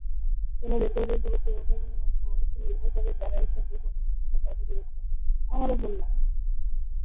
কোনো রেকর্ডের গুরুত্ব অনুধাবন এবং সংরক্ষণ নির্ভর করে যারা এসব রেকর্ডের স্রষ্টা তাদেরই ওপর।